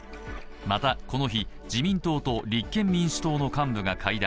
また、この日自民党と立憲民主党の幹部が会談。